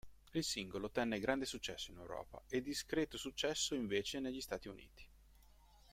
Il singolo ottenne grande successo in Europa e discreto successo invece negli Stati Uniti.